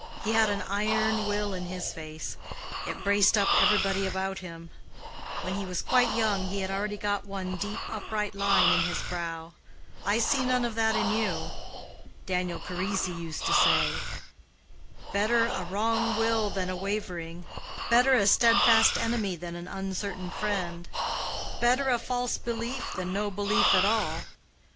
He had an iron will in his face: it braced up everybody about him. When he was quite young he had already got one deep upright line in his brow. I see none of that in you. Daniel Charisi used to say, 'Better, a wrong will than a wavering; better a steadfast enemy than an uncertain friend; better a false belief than no belief at all.